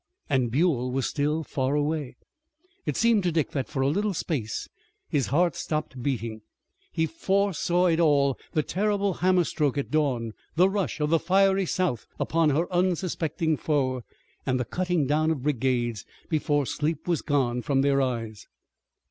And Buell was still far away! It seemed to Dick that for a little space his heart stopped beating. He foresaw it all, the terrible hammer stroke at dawn, the rush of the fiery South upon her unsuspecting foe, and the cutting down of brigades, before sleep was gone from their eyes.